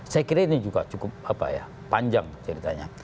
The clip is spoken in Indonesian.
saya kira ini juga cukup panjang ceritanya